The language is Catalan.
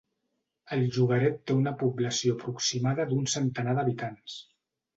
El llogaret té una població aproximada d'un centenar d'habitants.